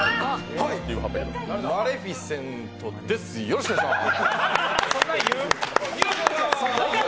マレフィセントです、よろしくお願いします！